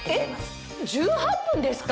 えっ１８分ですか？